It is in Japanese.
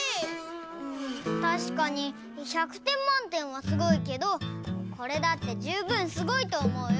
たしかに１００てんまんてんはすごいけどこれだってじゅうぶんすごいとおもうよ。